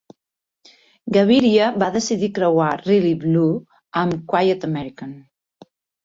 Gaviria va decidir creuar Really Blue amb Quiet American.